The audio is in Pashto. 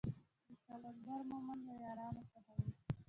د قلندر مومند له يارانو څخه و.